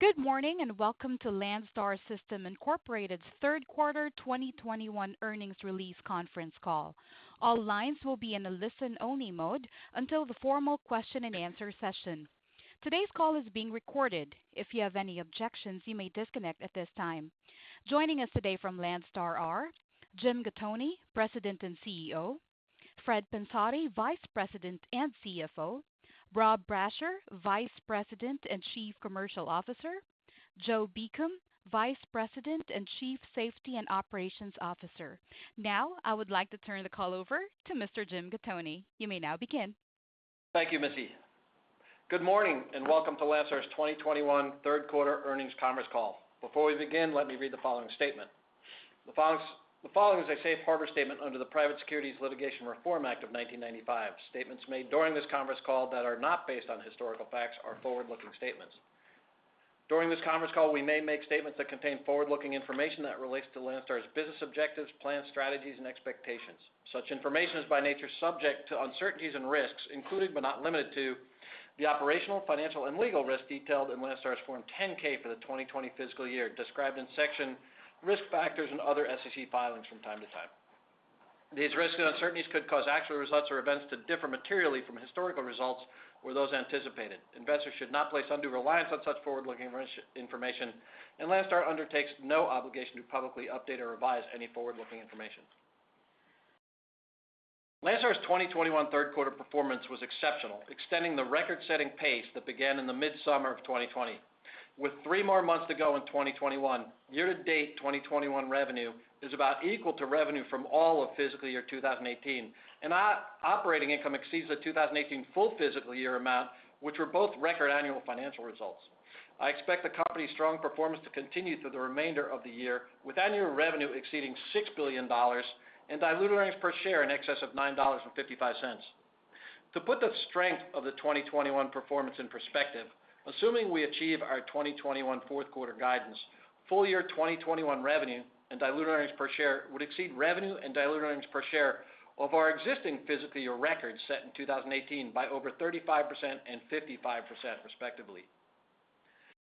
Good morning, and welcome to Landstar System, Inc.'s third quarter 2021 earnings release conference call. All lines will be in a listen-only mode until the formal question and answer session. Today's call is being recorded. If you have any objections, you may disconnect at this time. Joining us today from Landstar are Jim Gattoni, President and Chief Executive Officer, Fred Pensotti, Vice President and Chief Financial Officer, Rob Brasher, Vice President and Chief Commercial Officer, Joe Beacom, Vice President and Chief Safety and Operations Officer. Now, I would like to turn the call over to Mr. Jim Gattoni. You may now begin. Thank you, Missy. Good morning, and welcome to Landstar's 2021 third quarter earnings conference call. Before we begin, let me read the following statement. The following is a safe harbor statement under the Private Securities Litigation Reform Act of 1995. Statements made during this conference call that are not based on historical facts are forward-looking statements. During this conference call, we may make statements that contain forward-looking information that relates to Landstar's business objectives, plans, strategies, and expectations. Such information is by nature subject to uncertainties and risks, including but not limited to the operational, financial and legal risks detailed in Landstar's Form 10-K for the 2020 fiscal year, described in Section Risk Factors and other SEC filings from time to time. These risks and uncertainties could cause actual results or events to differ materially from historical results or those anticipated. Investors should not place undue reliance on such forward-looking information, and Landstar undertakes no obligation to publicly update or revise any forward-looking information. Landstar's 2021 third quarter performance was exceptional, extending the record-setting pace that began in the midsummer of 2020. With three more months to go in 2021, year-to-date 2021 revenue is about equal to revenue from all of fiscal year 2018, and operating income exceeds the 2018 full fiscal year amount, which were both record annual financial results. I expect the company's strong performance to continue through the remainder of the year, with annual revenue exceeding $6 billion and diluted earnings per share in excess of $9.55. To put the strength of the 2021 performance in perspective, assuming we achieve our 2021 fourth quarter guidance, full year 2021 revenue and diluted earnings per share would exceed revenue and diluted earnings per share of our existing fiscal year records set in 2018 by over 35% and 55%, respectively.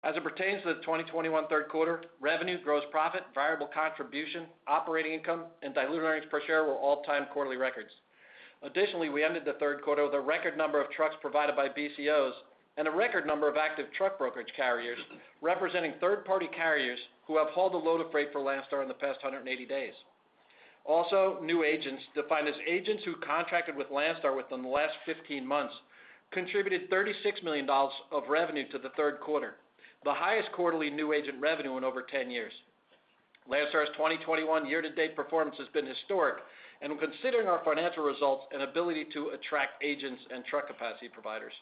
As it pertains to the 2021 third quarter, revenue, gross profit, variable contribution, operating income, and diluted earnings per share were all-time quarterly records. Additionally, we ended the third quarter with a record number of trucks provided by BCOs and a record number of active truck brokerage carriers representing third-party carriers who have hauled a load of freight for Landstar in the past 180 days. Also, new agents, defined as agents who contracted with Landstar within the last 15 months, contributed $36 million of revenue to the third quarter, the highest quarterly new agent revenue in over 10 years. Landstar's 2021 year-to-date performance has been historic and when considering our financial results and ability to attract agents and truck capacity providers.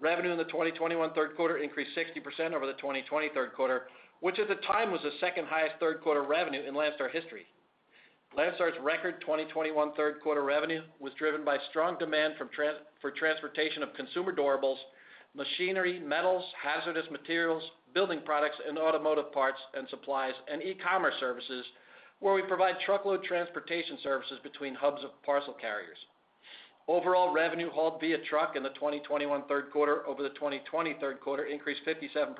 Revenue in the 2021 third quarter increased 60% over the 2020 third quarter, which at the time was the second highest third quarter revenue in Landstar history. Landstar's record 2021 third quarter revenue was driven by strong demand for transportation of consumer durables, machinery, metals, hazardous materials, building products, and automotive parts and supplies, and e-commerce services, where we provide truckload transportation services between hubs of parcel carriers. Overall revenue hauled via truck in the 2021 third quarter over the 2020 third quarter increased 57%.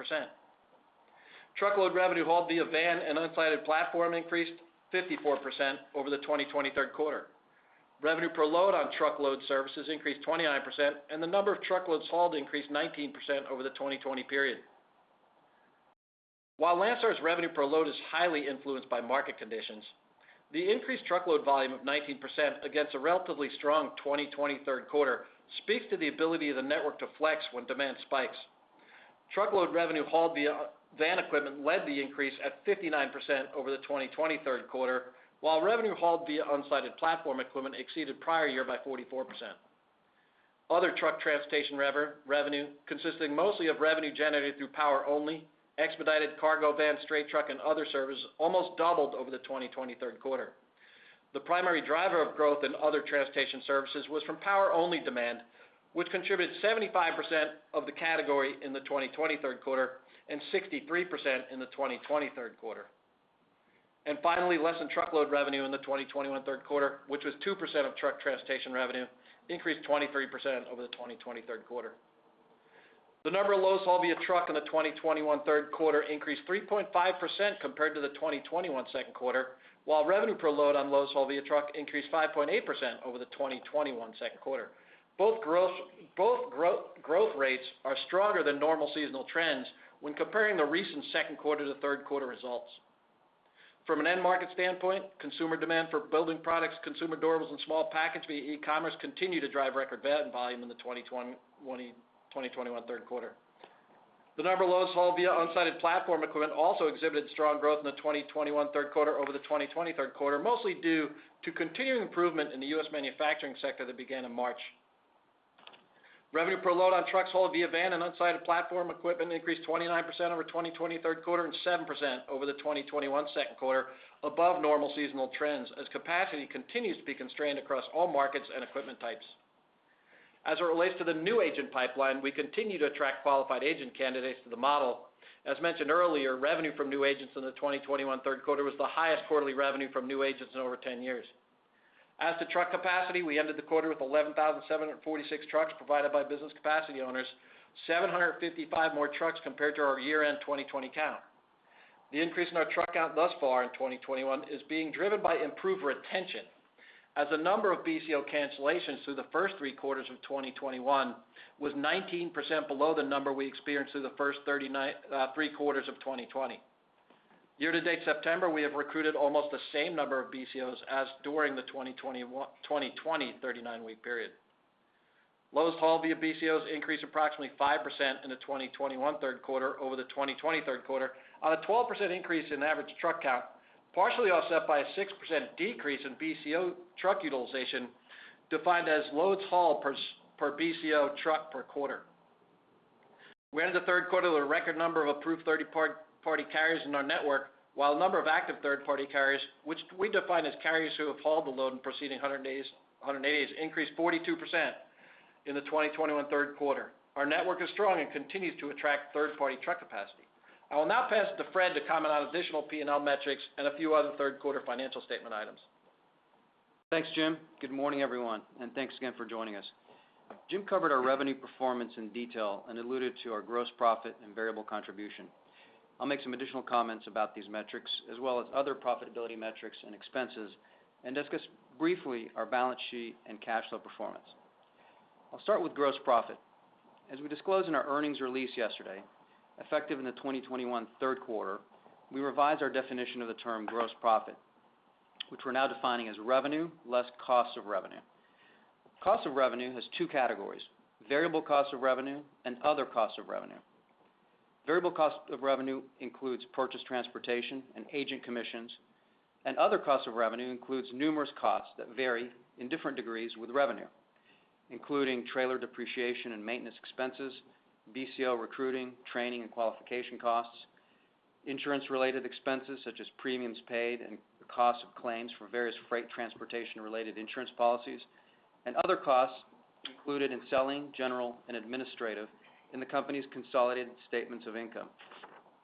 Truckload revenue hauled via van and unsided platform increased 54% over the 2020 third quarter. Revenue per load on truckload services increased 29%, and the number of truckloads hauled increased 19% over the 2020 period. While Landstar's revenue per load is highly influenced by market conditions, the increased truckload volume of 19% against a relatively strong 2020 third quarter speaks to the ability of the network to flex when demand spikes. Truckload revenue hauled via van equipment led the increase at 59% over the 2020 third quarter, while revenue hauled via unsided platform equipment exceeded prior year by 44%. Other truck transportation revenue, consisting mostly of revenue generated through power-only, expedited cargo, van, straight truck, and other services, almost doubled over the 2020 third quarter. The primary driver of growth in other transportation services was from power-only demand, which contributed 75% of the category in the 2021 third quarter and 63% in the 2020 third quarter. Finally, less than truckload revenue in the 2021 third quarter, which was 2% of truck transportation revenue, increased 23% over the 2020 third quarter. The number of loads hauled via truck in the 2021 third quarter increased 3.5% compared to the 2021 second quarter, while revenue per load on loads hauled via truck increased 5.8% over the 2021 second quarter. Both growth rates are stronger than normal seasonal trends when comparing the recent second quarter to the third quarter results. From an end market standpoint, consumer demand for building products, consumer durables, and small package via e-commerce continued to drive record van volume in the 2021 third quarter. The number of loads hauled via unsided platform equipment also exhibited strong growth in the 2021 third quarter over the 2020 third quarter, mostly due to continued improvement in the U.S. manufacturing sector that began in March. Revenue per load on trucks hauled via van and unsided platform equipment increased 29% over 2020 third quarter and 7% over the 2021 second quarter above normal seasonal trends as capacity continues to be constrained across all markets and equipment types. As it relates to the new agent pipeline, we continue to attract qualified agent candidates to the model. As mentioned earlier, revenue from new agents in the 2021 third quarter was the highest quarterly revenue from new agents in over 10 years. As to truck capacity, we ended the quarter with 11,746 trucks provided by Business Capacity Owners, 755 more trucks compared to our year-end 2020 count. The increase in our truck count thus far in 2021 is being driven by improved retention, as the number of BCO cancellations through the first three quarters of 2021 was 19% below the number we experienced through the first three quarters of 2020. Year-to-date September, we have recruited almost the same number of BCOs as during the 2020 39-week period. Loads hauled via BCOs increased approximately 5% in the 2021 third quarter over the 2020 third quarter on a 12% increase in average truck count, partially offset by a 6% decrease in BCO truck utilization, defined as loads hauled per BCO truck per quarter. We ended the third quarter with a record number of approved third-party carriers in our network, while the number of active third-party carriers, which we define as carriers who have hauled a load in the preceding 180 days, increased 42% in the 2021 third quarter. Our network is strong and continues to attract third-party truck capacity. I will now pass it to Fred to comment on additional P&L metrics and a few other third-quarter financial statement items. Thanks, Jim. Good morning, everyone, and thanks again for joining us. Jim covered our revenue performance in detail and alluded to our gross profit and variable contribution. I'll make some additional comments about these metrics, as well as other profitability metrics and expenses, and discuss briefly our balance sheet and cash flow performance. I'll start with gross profit. As we disclosed in our earnings release yesterday, effective in the 2021 third quarter, we revised our definition of the term gross profit, which we're now defining as revenue less cost of revenue. Cost of revenue has two categories, variable cost of revenue and other cost of revenue. Variable cost of revenue includes purchased transportation and agent commissions. Other cost of revenue includes numerous costs that vary in different degrees with revenue, including trailer depreciation and maintenance expenses, BCO recruiting, training, and qualification costs, insurance-related expenses such as premiums paid and the cost of claims for various freight transportation-related insurance policies, and other costs included in selling, general, and administrative in the company's consolidated statements of income,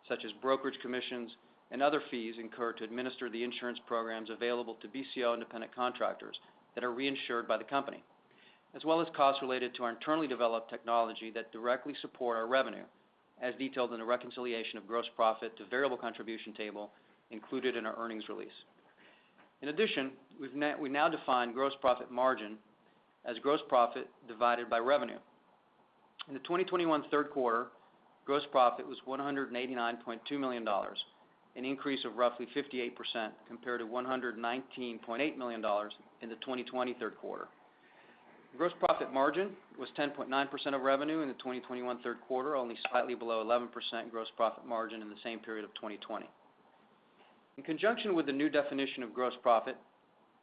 such as brokerage commissions and other fees incurred to administer the insurance programs available to BCO independent contractors that are reinsured by the company. As well as costs related to our internally developed technology that directly support our revenue, as detailed in the reconciliation of gross profit to variable contribution table included in our earnings release. In addition, we now define gross profit margin as gross profit divided by revenue. In the 2021 third quarter, gross profit was $189.2 million, an increase of roughly 58% compared to $119.8 million in the 2020 third quarter. Gross profit margin was 10.9% of revenue in the 2021 third quarter, only slightly below 11% gross profit margin in the same period of 2020. In conjunction with the new definition of gross profit,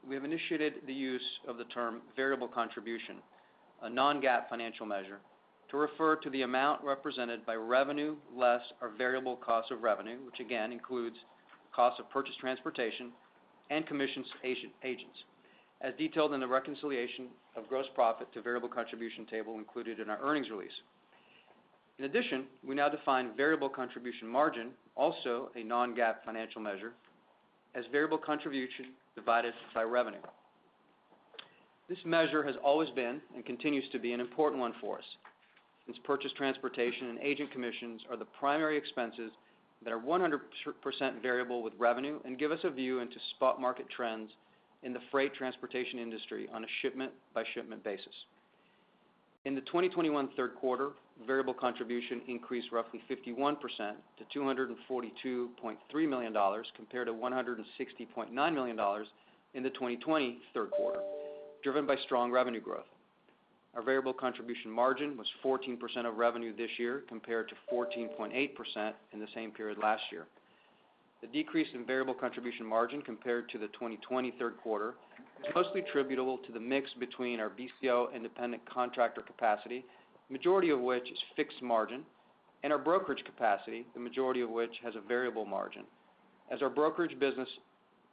we have initiated the use of the term variable contribution, a Non-GAAP financial measure, to refer to the amount represented by revenue less our variable cost of revenue, which again includes cost of purchased transportation and commissions agents, as detailed in the reconciliation of gross profit to variable contribution table included in our earnings release. In addition, we now define variable contribution margin, also a non-GAAP financial measure, as variable contribution divided by revenue. This measure has always been, and continues to be, an important one for us, since purchased transportation and agent commissions are the primary expenses that are 100% variable with revenue and give us a view into spot market trends in the freight transportation industry on a shipment-by-shipment basis. In the 2021 third quarter, variable contribution increased roughly 51% to $242.3 million, compared to $160.9 million in the 2020 third quarter, driven by strong revenue growth. Our variable contribution margin was 14% of revenue this year, compared to 14.8% in the same period last year. The decrease in variable contribution margin compared to the 2020 third quarter is mostly attributable to the mix between our BCO independent contractor capacity, majority of which is fixed margin, and our brokerage capacity, the majority of which has a variable margin, as our brokerage business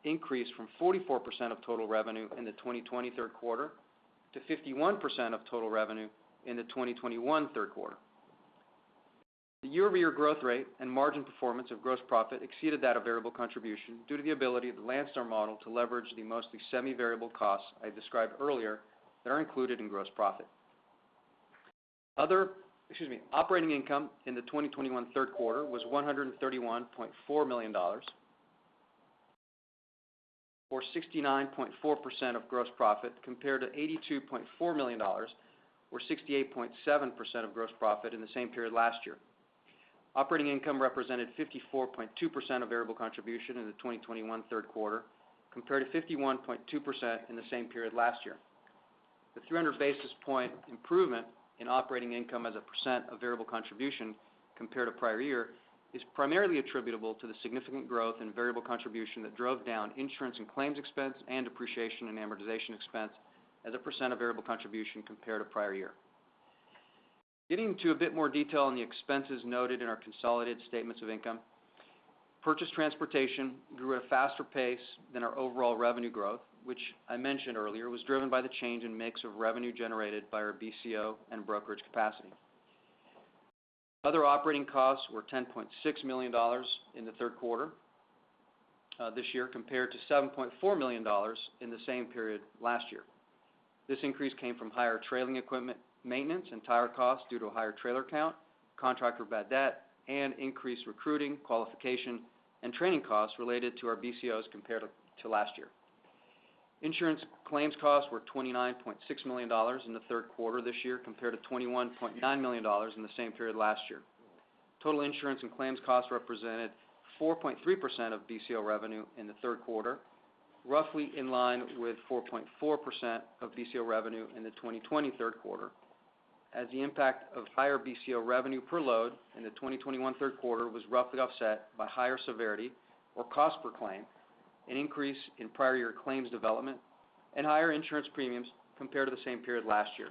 increased from 44% of total revenue in the 2020 third quarter to 51% of total revenue in the 2021 third quarter. The year-over-year growth rate and margin performance of gross profit exceeded that of variable contribution due to the ability of the Landstar model to leverage the mostly semi-variable costs I described earlier that are included in gross profit. Operating income in the 2021 third quarter was $131.4 million, or 69.4% of gross profit, compared to $82.4 million, or 68.7% of gross profit in the same period last year. Operating income represented 54.2% of variable contribution in the 2021 third quarter, compared to 51.2% in the same period last year. The 300 basis point improvement in operating income as a percent of variable contribution compared to prior year is primarily attributable to the significant growth in variable contribution that drove down insurance and claims expense and depreciation and amortization expense as a percent of variable contribution compared to prior year. Getting to a bit more detail on the expenses noted in our consolidated statements of income. Purchased transportation grew at a faster pace than our overall revenue growth, which I mentioned earlier was driven by the change in mix of revenue generated by our BCO and brokerage capacity. Other operating costs were $10.6 million in the third quarter this year, compared to $7.4 million in the same period last year. This increase came from higher trailing equipment maintenance and tire costs due to a higher trailer count, contractor bad debt, and increased recruiting, qualification, and training costs related to our BCOs compared to last year. Insurance claims costs were $29.6 million in the third quarter of this year compared to $21.9 million in the same period last year. Total insurance and claims costs represented 4.3% of BCO revenue in the third quarter, roughly in line with 4.4% of BCO revenue in the 2020 third quarter, as the impact of higher BCO revenue per load in the 2021 third quarter was roughly offset by higher severity or cost per claim, an increase in prior year claims development, and higher insurance premiums compared to the same period last year.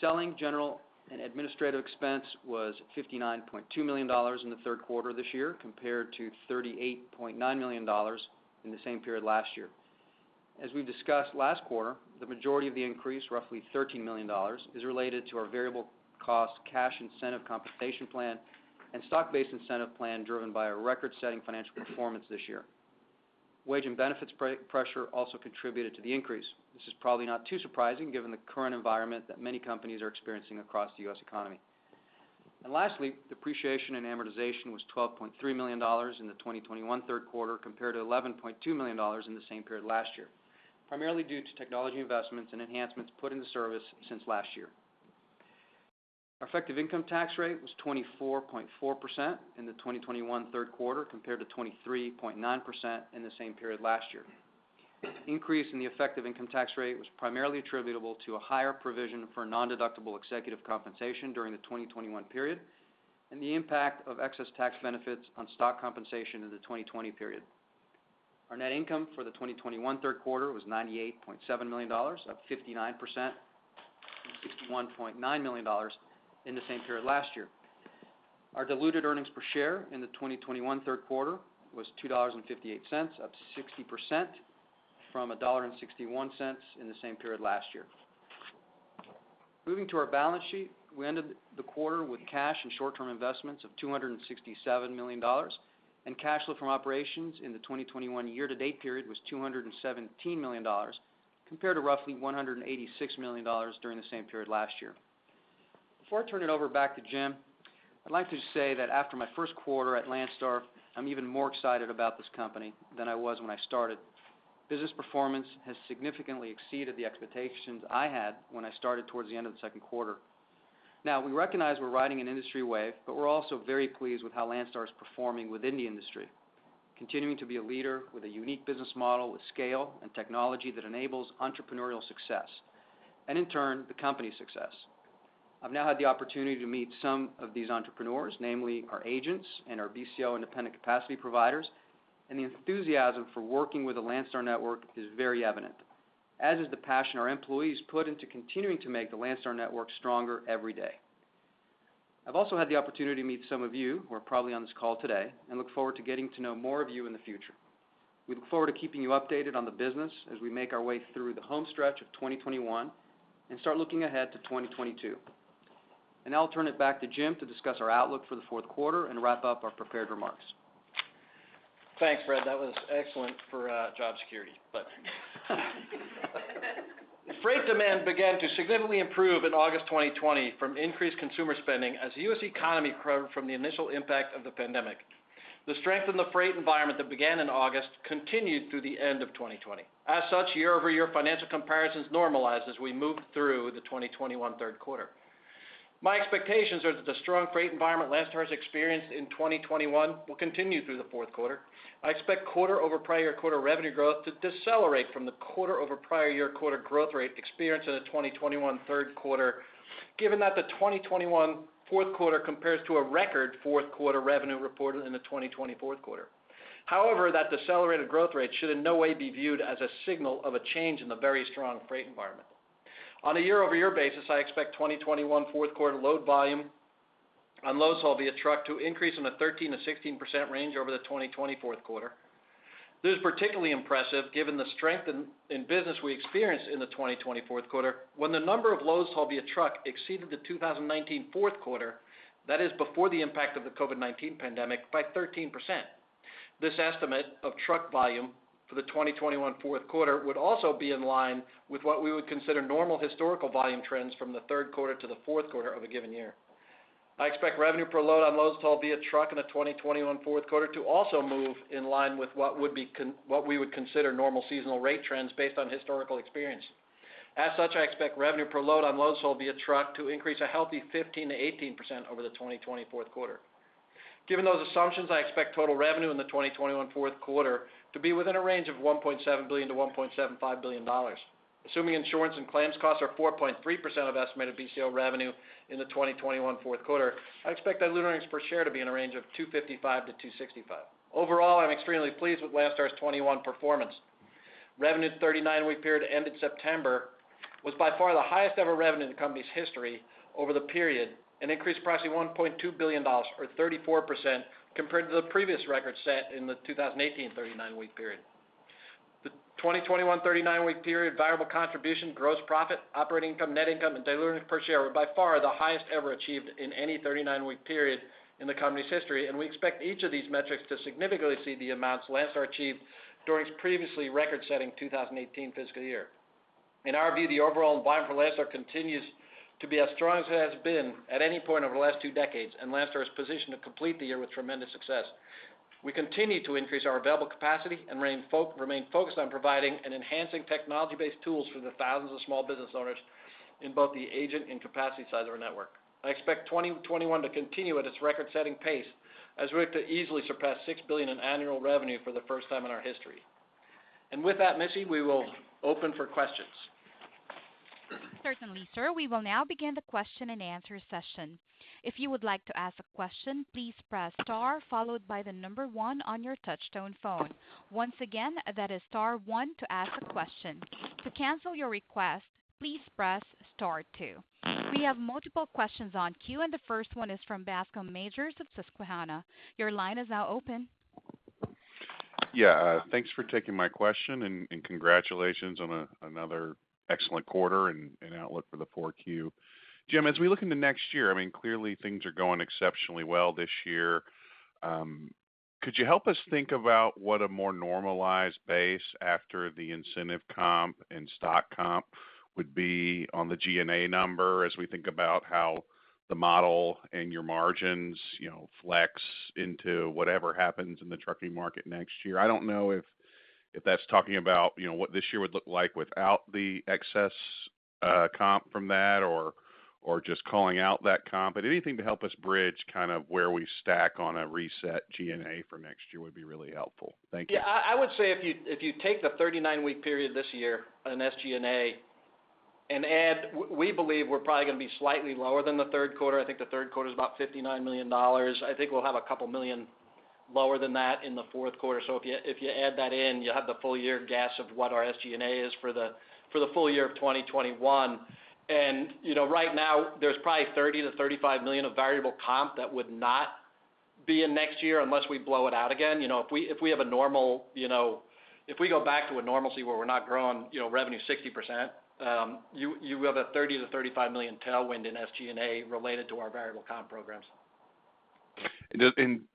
Selling general and administrative expense was $59.2 million in the third quarter of this year compared to $38.9 million in the same period last year. As we discussed last quarter, the majority of the increase, roughly $13 million, is related to our variable cost cash incentive compensation plan and stock-based incentive plan driven by a record-setting financial performance this year. Wage and benefits pressure also contributed to the increase. This is probably not too surprising given the current environment that many companies are experiencing across the U.S. economy. Lastly, depreciation and amortization was $12.3 million in the 2021 third quarter compared to $11.2 million in the same period last year, primarily due to technology investments and enhancements put into service since last year. Our effective income tax rate was 24.4% in the 2021 third quarter compared to 23.9% in the same period last year. Increase in the effective income tax rate was primarily attributable to a higher provision for non-deductible executive compensation during the 2021 period and the impact of excess tax benefits on stock compensation in the 2020 period. Our net income for the 2021 third quarter was $98.7 million, up 59% from $61.9 million in the same period last year. Our diluted earnings per share in the 2021 third quarter was $2.58, up 60% from $1.61 in the same period last year. Moving to our balance sheet, we ended the quarter with cash and short-term investments of $267 million. Cash flow from operations in the 2021 year-to-date period was $217 million, compared to roughly $186 million during the same period last year. Before I turn it over back to Jim, I'd like to say that after my first quarter at Landstar, I'm even more excited about this company than I was when I started. Business performance has significantly exceeded the expectations I had when I started towards the end of the second quarter. Now, we recognize we're riding an industry wave, but we're also very pleased with how Landstar is performing within the industry, continuing to be a leader with a unique business model with scale and technology that enables entrepreneurial success, and in turn, the company's success. I've now had the opportunity to meet some of these entrepreneurs, namely our agents and our BCO independent capacity providers, and the enthusiasm for working with the Landstar network is very evident, as is the passion our employees put into continuing to make the Landstar network stronger every day. I've also had the opportunity to meet some of you who are probably on this call today and look forward to getting to know more of you in the future. We look forward to keeping you updated on the business as we make our way through the home stretch of 2021 and start looking ahead to 2022. Now I'll turn it back to Jim to discuss our outlook for the fourth quarter and wrap up our prepared remarks. Thanks, Fred. That was excellent for job security. Freight demand began to significantly improve in August 2020 from increased consumer spending as the U.S. economy recovered from the initial impact of the pandemic. The strength in the freight environment that began in August continued through the end of 2020. Such, year-over-year financial comparisons normalized as we moved through the 2021 third quarter. My expectations are that the strong freight environment Landstar has experienced in 2021 will continue through the fourth quarter. I expect quarter-over-prior-year quarter revenue growth to decelerate from the quarter-over-prior-year quarter growth rate experienced in the 2021 third quarter, given that the 2021 fourth quarter compares to a record fourth quarter revenue reported in the 2020 fourth quarter. That decelerated growth rate should in no way be viewed as a signal of a change in the very strong freight environment. On a year-over-year basis, I expect 2021 fourth quarter load volume on loads hauled via truck to increase in the 13%-16% range over the 2020 fourth quarter. This is particularly impressive given the strength in business we experienced in the 2020 fourth quarter when the number of loads hauled via truck exceeded the 2019 fourth quarter, that is before the impact of the COVID-19 pandemic, by 13%. This estimate of truck volume for the 2021 fourth quarter would also be in line with what we would consider normal historical volume trends from the third quarter to the fourth quarter of a given year. I expect revenue per load on loads hauled via truck in the 2021 fourth quarter to also move in line with what we would consider normal seasonal rate trends based on historical experience. As such, I expect revenue per load on loads hauled via truck to increase a healthy 15%-18% over the 2020 fourth quarter. Given those assumptions, I expect total revenue in the 2021 fourth quarter to be within a range of $1.7 billion-$1.75 billion. Assuming insurance and claims costs are 4.3% of estimated BCO revenue in the 2021 fourth quarter, I expect diluted earnings per share to be in a range of $255-$265. Overall, I'm extremely pleased with Landstar's 2021 performance. Revenue 39-week period ended September was by far the highest-ever revenue in the company's history over the period, an increase of approximately $1.2 billion or 34% compared to the previous record set in the 2018 39-week period. 2021, 39-week period, variable contribution, gross profit, operating income, net income, and diluted earnings per share were by far the highest ever achieved in any 39-week period in the company's history. We expect each of these metrics to significantly exceed the amounts Landstar achieved during its previously record-setting 2018 fiscal year. In our view, the overall environment for Landstar continues to be as strong as it has been at any point over the last two decades. Landstar is positioned to complete the year with tremendous success. We continue to increase our available capacity and remain focused on providing and enhancing technology-based tools for the thousands of small business owners in both the agent and capacity side of our network. I expect 2021 to continue at its record-setting pace as we look to easily surpass $6 billion in annual revenue for the first time in our history. With that, Missy, we will open for questions. Certainly, sir. We will now begin the question and answer session. If you would like to ask a question, please press star followed by the number one on your touch-tone phone. Once again, that is star one to ask a question. To cancel your request, please press star two. We have multiple questions on queue, and the first one is from Bascome Majors of Susquehanna. Your line is now open. Thanks for taking my question, and congratulations on another excellent quarter and outlook for the 4Q. Jim, as we look into next year, clearly things are going exceptionally well this year. Could you help us think about what a more normalized base after the incentive comp and stock comp would be on the G&A number as we think about how the model and your margins flex into whatever happens in the trucking market next year? I don't know if that's talking about what this year would look like without the excess comp from that or just calling out that comp, but anything to help us bridge where we stack on a reset G&A for next year would be really helpful. Thank you. I would say if you take the 39-week period this year on an SG&A and add, we believe we're probably going to be slightly lower than the third quarter. I think the third quarter is about $59 million. I think we'll have a couple million lower than that in the fourth quarter. If you add that in, you'll have the full year guess of what our SG&A is for the full year of 2021. Right now, there's probably $30 million-$35 million of variable comp that would not be in next year unless we blow it out again. If we go back to a normalcy where we're not growing revenue 60%, you have a $30 million-$35 million tailwind in SG&A related to our variable comp programs.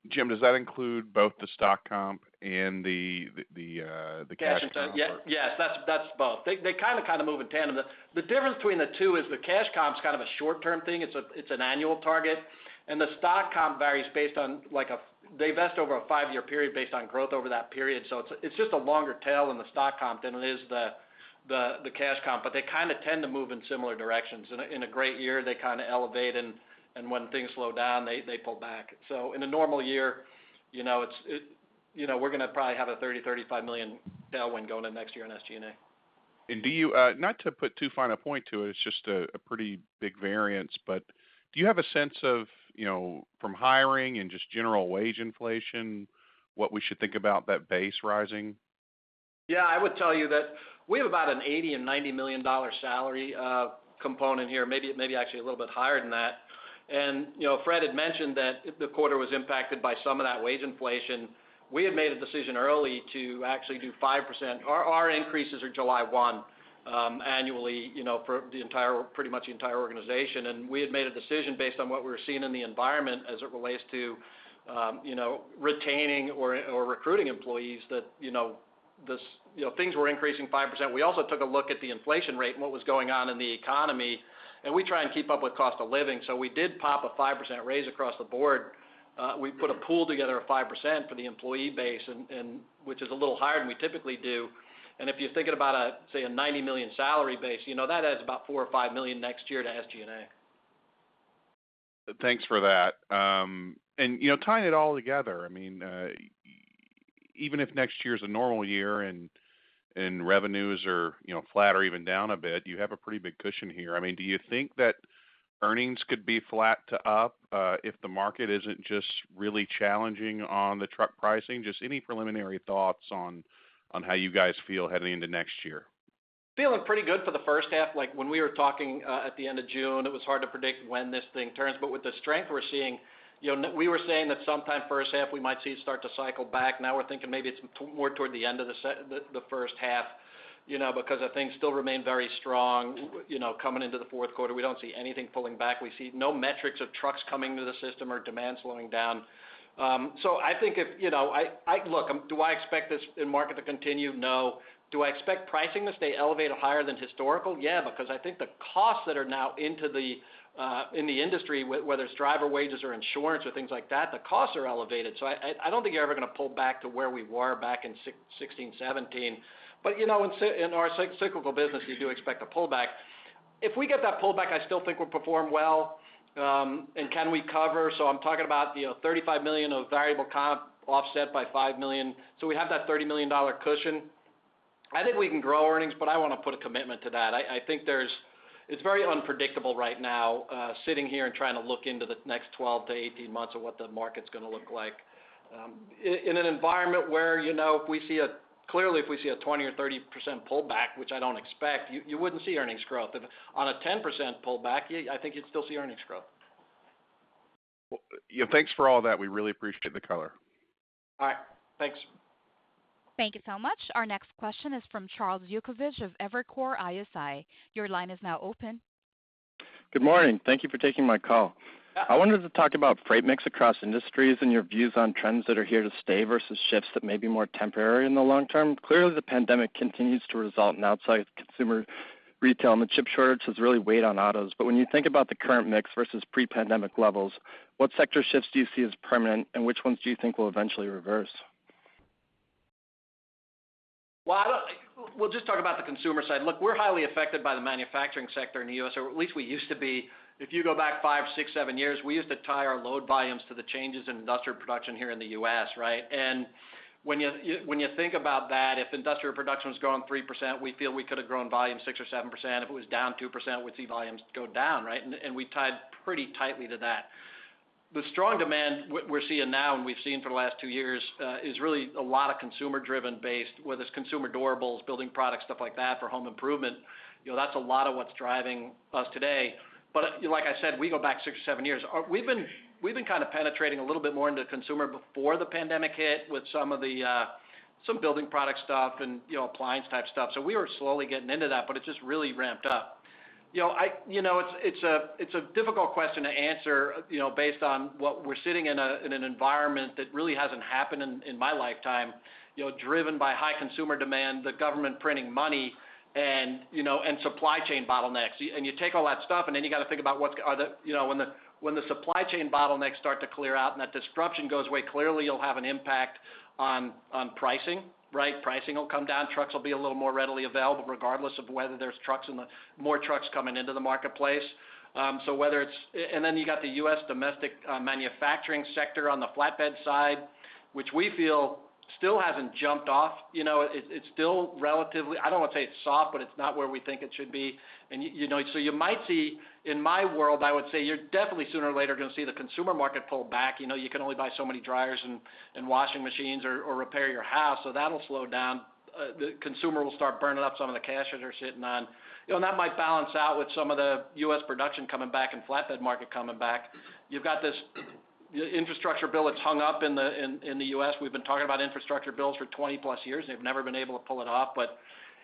Jim, does that include both the stock comp and the cash comp part? Cash and stock. Yes, that's both. They kind of move in tandem. The difference between the two is the cash comp is kind of a short-term thing. It's an annual target. The stock comp varies based on, they vest over a five-year period based on growth over that period. It's just a longer tail in the stock comp than it is the cash comp, but they tend to move in similar directions. In a great year, they elevate, and when things slow down, they pull back. In a normal year, we're going to probably have a $30 million-$35 million tailwind going into next year on SG&A. Not to put too fine a point to it's just a pretty big variance. Do you have a sense of from hiring and just general wage inflation, what we should think about that base rising? I would tell you that we have about an $80 million and $90 million salary component here, maybe actually a little bit higher than that. Fred had mentioned that the quarter was impacted by some of that wage inflation. We had made a decision early to actually do 5%. Our increases are July 1 annually, for pretty much the entire organization, and we had made a decision based on what we were seeing in the environment as it relates to retaining or recruiting employees that things were increasing 5%. We also took a look at the inflation rate and what was going on in the economy, and we try and keep up with cost of living. We did pop a 5% raise across the board. We put a pool together of 5% for the employee base, which is a little higher than we typically do. If you're thinking about, say, a $90 million salary base, that adds about $4 or $5 million next year to SG&A. Thanks for that. Tying it all together, even if next year is a normal year and revenues are flat or even down a bit, you have a pretty big cushion here. Do you think that earnings could be flat to up if the market isn't just really challenging on the truck pricing? Just any preliminary thoughts on how you guys feel heading into next year. Feeling pretty good for the first half. When we were talking at the end of June, it was hard to predict when this thing turns, but with the strength we're seeing, we were saying that sometime first half, we might see it start to cycle back. Now we're thinking maybe it's more toward the end of the first half, because things still remain very strong coming into the fourth quarter. We don't see anything pulling back. We see no metrics of trucks coming to the system or demand slowing down. Look, do I expect this market to continue? No. Do I expect pricing to stay elevated higher than historical? Yeah, because I think the costs that are now in the industry, whether it's driver wages or insurance or things like that, the costs are elevated. I don't think you're ever going to pull back to where we were back in 2016, 2017. In our cyclical business, you do expect a pullback. If we get that pullback, I still think we'll perform well. Can we cover? I'm talking about $35 million of variable comp offset by $5 million. We have that $30 million cushion. I think we can grow earnings, but I want to put a commitment to that. I think it's very unpredictable right now sitting here and trying to look into the next 12 months-18 months of what the market's going to look like. In an environment where clearly if we see a 20% or 30% pullback, which I don't expect, you wouldn't see earnings growth. On a 10% pullback, I think you'd still see earnings growth. Well, yeah, thanks for all that. We really appreciate the color. All right. Thanks. Thank you so much. Our next question is from Jonathan Chappell of Evercore ISI. Your line is now open. Good morning. Thank you for taking my call. Yeah. I wanted to talk about freight mix across industries and your views on trends that are here to stay versus shifts that may be more temporary in the long term. Clearly, the pandemic continues to result in outsize consumer retail, and the chip shortage has really weighed on autos. When you think about the current mix versus pre-pandemic levels, what sector shifts do you see as permanent, and which ones do you think will eventually reverse? Well, we'll just talk about the consumer side. Look, we're highly affected by the manufacturing sector in the U.S., or at least we used to be. If you go back five, six, seven years, we used to tie our load volumes to the changes in industrial production here in the U.S. Right? When you think about that, if industrial production was growing 3%, we feel we could have grown volume 6% or 7%. If it was down 2%, we'd see volumes go down, right? We tied pretty tightly to that. The strong demand we're seeing now, and we've seen for the last two years, is really a lot of consumer-driven based, whether it's consumer durables, building products, stuff like that, for home improvement. That's a lot of what's driving us today. Like I said, we go back six or seven years. We've been kind of penetrating a little bit more into consumer before the pandemic hit with some building product stuff and appliance type stuff. We were slowly getting into that, but it just really ramped up. It's a difficult question to answer, based on what we're sitting in an environment that really hasn't happened in my lifetime, driven by high consumer demand, the government printing money and supply chain bottlenecks. You take all that stuff, and then you got to think about when the supply chain bottlenecks start to clear out and that disruption goes away, clearly you'll have an impact on pricing. Right? Pricing will come down. Trucks will be a little more readily available, regardless of whether there's more trucks coming into the marketplace. Then you got the U.S. domestic manufacturing sector on the flatbed side, which we feel still hasn't jumped off. It's still relatively, I don't want to say it's soft, but it's not where we think it should be. You might see, in my world, I would say you're definitely sooner or later going to see the consumer market pull back. You can only buy so many dryers and washing machines or repair your house. That'll slow down. The consumer will start burning up some of the cash that they're sitting on. That might balance out with some of the U.S. production coming back and flatbed market coming back. You've got this infrastructure bill that's hung up in the U.S. We've been talking about infrastructure bills for 20+ years, and they've never been able to pull it off.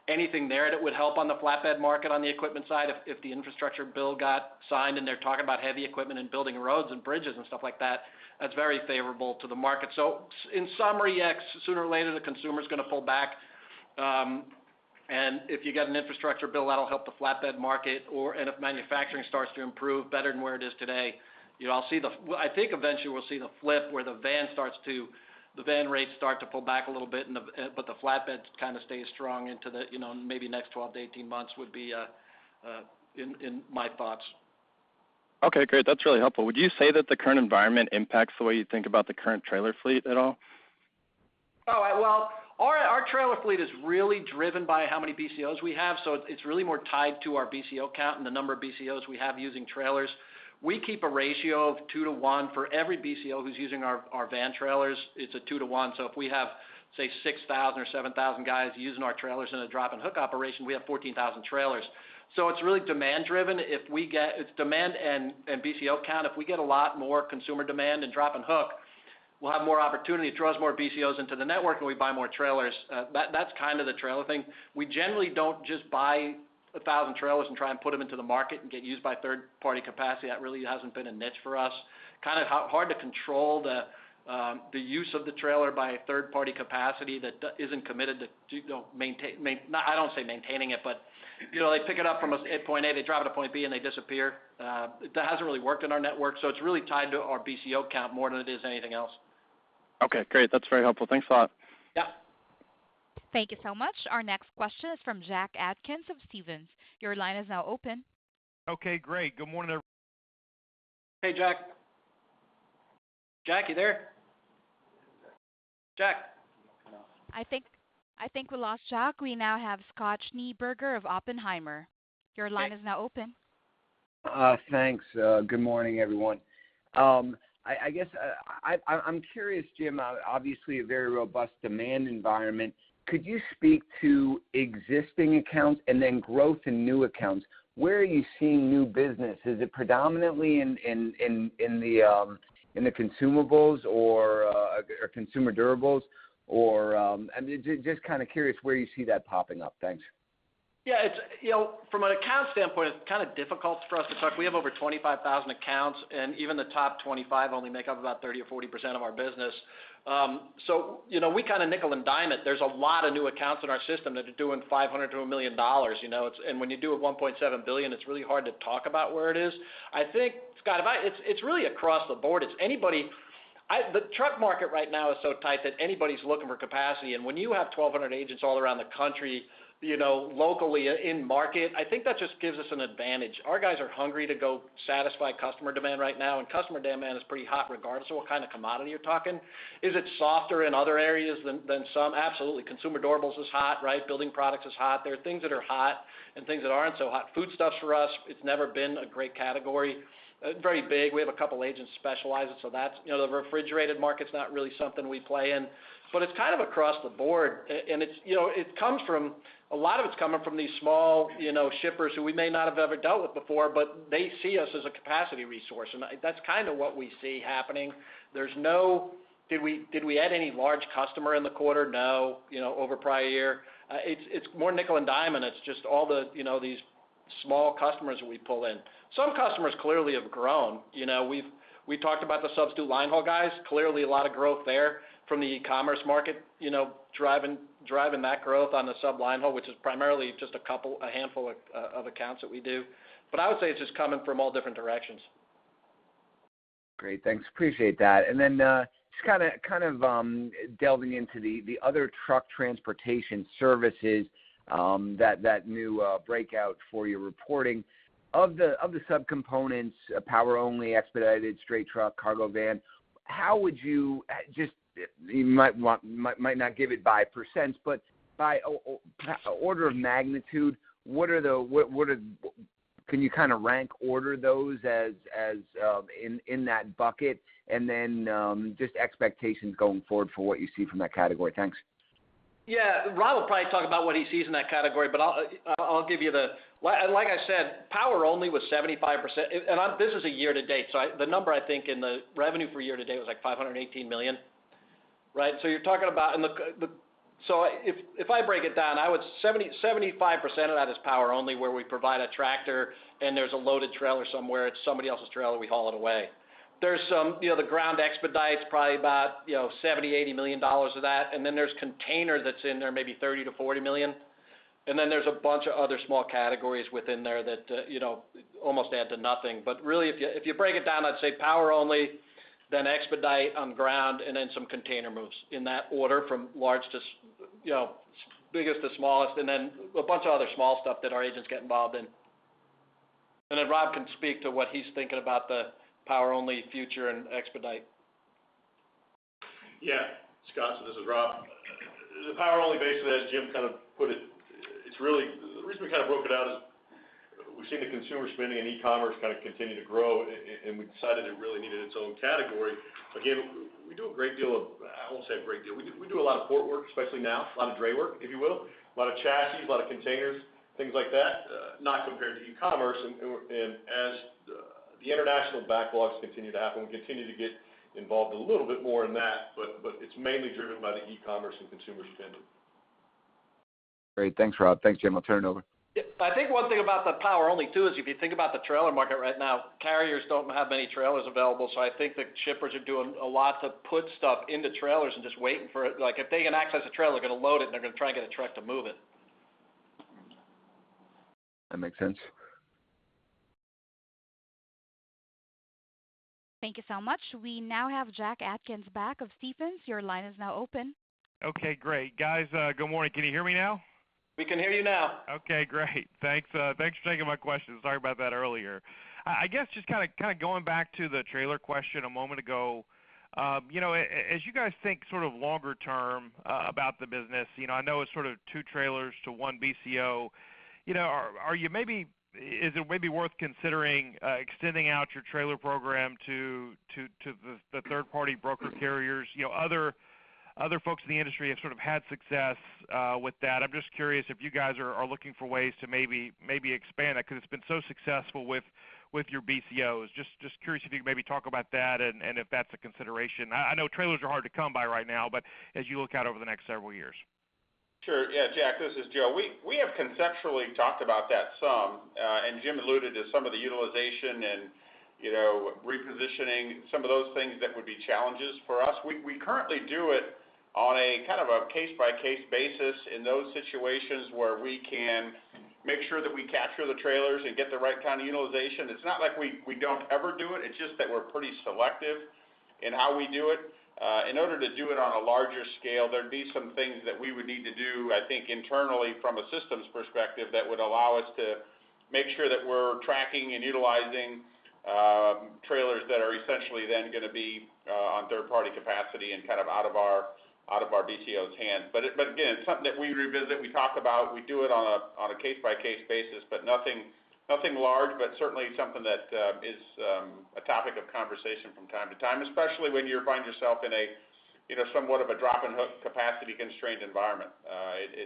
Anything there that would help on the flatbed market, on the equipment side, if the infrastructure bill got signed and they're talking about heavy equipment and building roads and bridges and stuff like that's very favorable to the market. In summary, sooner or later, the consumer's going to pull back. If you get an infrastructure bill, that'll help the flatbed market, and if manufacturing starts to improve better than where it is today, I think eventually we'll see the flip where the van rates start to pull back a little bit, but the flatbed kind of stays strong into the maybe next 12 months-18 months would be in my thoughts. Okay, great. That's really helpful. Would you say that the current environment impacts the way you think about the current trailer fleet at all? Oh, well, our trailer fleet is really driven by how many BCOs we have, so it's really more tied to our BCO count and the number of BCOs we have using trailers. We keep a ratio of 2:1 for every BCO who's using our van trailers. It's a 2:1. If we have, say, 6,000 guys or 7,000 guys using our trailers in a drop and hook operation, we have 14,000 trailers. It's really demand driven. It's demand and BCO count. If we get a lot more consumer demand in drop and hook, we'll have more opportunity. It draws more BCOs into the network, and we buy more trailers. That's kind of the trailer thing. We generally don't just buy 1,000 trailers and try and put them into the market and get used by third-party capacity. That really hasn't been a niche for us. Kind of hard to control the use of the trailer by a third-party capacity that isn't committed to, I don't say maintaining it, but they pick it up from point A, they drop it to point B, and they disappear. That hasn't really worked in our network. It's really tied to our BCO count more than it is anything else. Okay, great. That's very helpful. Thanks a lot. Yeah. Thank you so much. Our next question is from Jack Atkins of Stephens. Your line is now open. Okay, great. Good morning. Hey, Jack. Jack, you there? Jack? I think we lost Jack. We now have Scott Schneeberger of Oppenheimer. Your line is now open. Thanks. Good morning, everyone. I'm curious, Jim, obviously a very robust demand environment. Could you speak to existing accounts and then growth in new accounts? Where are you seeing new business? Is it predominantly in the consumables or consumer durables or I'm just kind of curious where you see that popping up. Thanks. Yeah. From an account standpoint, it's kind of difficult for us to talk. We have over 25,000 accounts, Even the top 25,000 accounts only make up about 30% or 40% of our business. We kind of nickel and dime it. There's a lot of new accounts in our system that are doing $500,000-$1 million. When you do a $1.7 billion, it's really hard to talk about where it is. I think, Scott, it's really across the board. The truck market right now is so tight that anybody's looking for capacity. When you have 1,200 agents all around the country, locally in market, I think that just gives us an advantage. Our guys are hungry to go satisfy customer demand right now, Customer demand is pretty hot regardless of what kind of commodity you're talking. Is it softer in other areas than some? Absolutely. Consumer durables is hot, right? Building products is hot. There are things that are hot and things that aren't so hot. Foodstuffs for us, it's never been a great category. Very big. We have a couple agents specialize it. The refrigerated market's not really something we play in. It's kind of across the board, and a lot of it's coming from these small shippers who we may not have ever dealt with before, but they see us as a capacity resource, and that's kind of what we see happening. Did we add any large customer in the quarter? No, over prior year. It's more nickel and dime, and it's just all these small customers we pull in. Some customers clearly have grown. We talked about the substitute line haul guys, clearly a lot of growth there from the e-commerce market driving that growth on the sub line haul, which is primarily just a handful of accounts that we do. I would say it's just coming from all different directions. Great. Thanks. Appreciate that. Then, just kind of delving into the other truck transportation services, that new breakout for your reporting. Of the sub-components, power only, expedited, straight truck, cargo van, how would you might not give it by percent, but by order of magnitude, can you kind of rank order those in that bucket? Then just expectations going forward for what you see from that category. Thanks. Yeah. Rob will probably talk about what he sees in that category, but I'll give you the Like I said, power-only was 75%, and this is a year to date. The number I think in the revenue for year to date was like $518 million, right? If I break it down, 75% of that is power-only where we provide a tractor and there's a loaded trailer somewhere. It's somebody else's trailer, we haul it away. There's some, the ground expedite's probably about $70 million-$80 million of that. There's container that's in there, maybe $30 million-$40 million. There's a bunch of other small categories within there that almost add to nothing. Really, if you break it down, I'd say power-only, then expedite on ground, and then some container moves, in that order from biggest to smallest, and then a bunch of other small stuff that our agents get involved in. Rob can speak to what he's thinking about the power-only future and expedite. Yeah. Scott, this is Rob. The power-only base, as Jim kind of put it, the reason we kind of broke it out is we've seen the consumer spending and e-commerce kind of continue to grow, and we decided it really needed its own category. We do a lot of port work, especially now. A lot of drayage work, if you will. A lot of chassis, a lot of containers, things like that. Not compared to e-commerce. As the international backlogs continue to happen, we continue to get involved a little bit more in that. It's mainly driven by the e-commerce and consumer spending. Great. Thanks, Rob. Thanks, Jim. I'll turn it over. I think one thing about the power-only too is if you think about the trailer market right now, carriers don't have many trailers available. I think the shippers are doing a lot to put stuff into trailers and just waiting for it. If they can access a trailer, they're going to load it, and they're going to try and get a truck to move it. That makes sense. Thank you so much. We now have Jack Atkins back of Stephens. Your line is now open. Okay, great. Guys, good morning. Can you hear me now? We can hear you now. Okay, great. Thanks for taking my questions. Sorry about that earlier. I guess just going back to the trailer question a moment ago. As you guys think sort of longer term about the business, I know it's sort of two trailers to one BCO. Is it maybe worth considering extending out your trailer program to the third-party broker carriers? Other folks in the industry have sort of had success with that. I'm just curious if you guys are looking for ways to maybe expand that because it's been so successful with your BCOs. Just curious if you could maybe talk about that and if that's a consideration. I know trailers are hard to come by right now, but as you look out over the next several years. Yeah, Jack, this is Joe. We have conceptually talked about that some, and Jim alluded to some of the utilization and repositioning, some of those things that would be challenges for us. We currently do it on a kind of a case-by-case basis in those situations where we can make sure that we capture the trailers and get the right kind of utilization. It's not like we don't ever do it's just that we're pretty selective in how we do it. In order to do it on a larger scale, there'd be some things that we would need to do, I think, internally from a systems perspective that would allow us to make sure that we're tracking and utilizing trailers that are essentially then going to be on third-party capacity and kind of out of our BCO's hands. Again, it's something that we revisit, we talk about, we do it on a case-by-case basis, but nothing large, but certainly something that is a topic of conversation from time to time, especially when you find yourself in somewhat of a drop-and-hook capacity-constrained environment.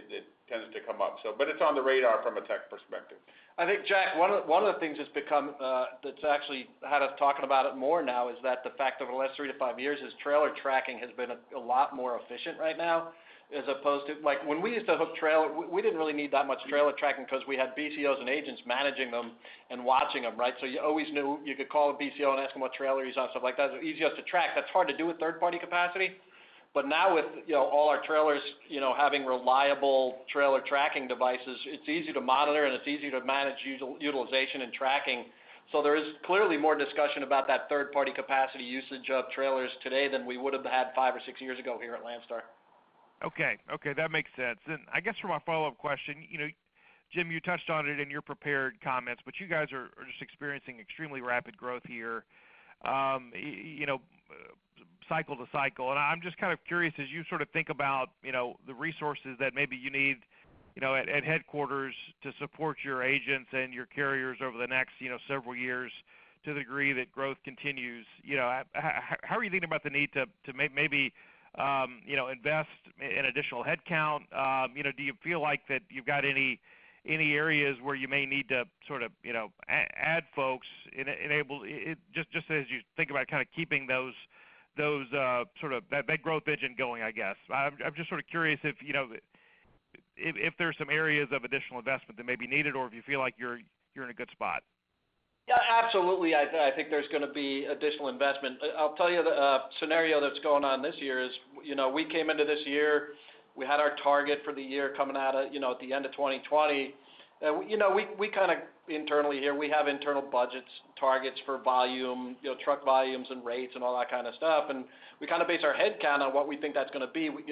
It tends to come up. It's on the radar from a tech perspective. I think, Jack, one of the things that's actually had us talking about it more now is that the fact over the last three to five years is trailer tracking has been a lot more efficient right now, as opposed to when we used to hook trailer, we didn't really need that much trailer tracking because we had BCOs and agents managing them and watching them, right? You always knew you could call a BCO and ask them what trailer he's on, stuff like that. It was easier to track. That's hard to do with third-party capacity. Now with all our trailers having reliable trailer tracking devices, it's easy to monitor, and it's easy to manage utilization and tracking. There is clearly more discussion about that third-party capacity usage of trailers today than we would have had five or six years ago here at Landstar. Okay. That makes sense. I guess for my follow-up question, Jim, you touched on it in your prepared comments, but you guys are just experiencing extremely rapid growth here cycle to cycle, and I'm just kind of curious as you sort of think about the resources that maybe you need at headquarters to support your agents and your carriers over the next several years to the degree that growth continues. How are you thinking about the need to maybe invest in additional headcount? Do you feel like that you've got any areas where you may need to add folks, just as you think about keeping that growth engine going, I guess? I'm just curious if there's some areas of additional investment that may be needed, or if you feel like you're in a good spot? Yeah, absolutely. I think there's going to be additional investment. I'll tell you, the scenario that's going on this year is we came into this year, we had our target for the year coming at the end of 2020. We have internal budgets, targets for truck volumes and rates and all that kind of stuff, and we base our headcount on what we think that's going to be. We